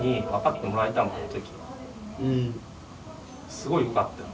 すごいよかったよ。